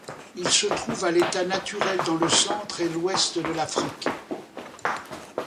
Il se trouve à l'état naturel dans le centre et l'Ouest de l'Afrique.